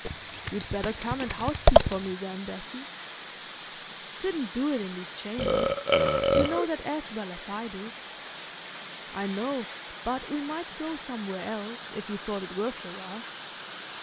"You'd better come and housekeep for me then, Bessie." "Couldn't do it in these chambers—you know that as well as I do." "I know, but we might go somewhere else, if you thought it worth your while."